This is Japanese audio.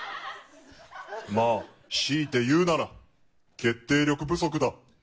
強いて言うなら決定力不足だ。